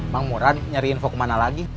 bang murad nyari info kemana lagi